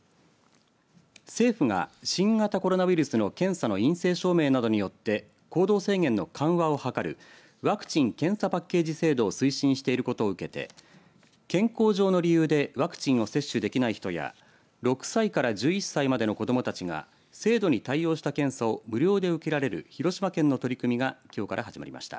政府が新型コロナウイルスの検査の陰性証明などによって行動制限の緩和を図るワクチン・検査パッケージ制度を推進していることを受けて健康上の理由でワクチンを接種できない人や６歳から１１歳までの子どもたちが制度に対応した検査を無料で受けられる広島県の取り組みがきょうから始まりました。